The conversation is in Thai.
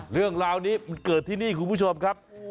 เรื่องราวนี้มันเกิดที่นี่คุณผู้ชมครับ